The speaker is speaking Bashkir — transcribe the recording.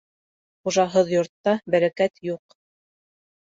Хужаһыҙ йортта бәрәкәт юҡ.